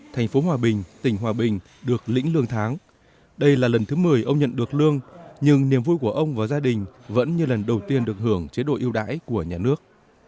thành phố hòa bình tỉnh hòa bình được lĩnh lương tháng đây là lần thứ một mươi ông nhận được lương nhưng niềm vui của ông và gia đình vẫn như lần đầu tiên được hưởng chế độ yêu đái của nhà nước